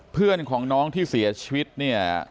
เพื่อนของน้องที่เสียชีวิตเนี่ย